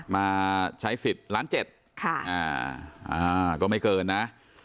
มาใช้สิทธิ์ล้านเจ็ดก็ไม่เกินนะ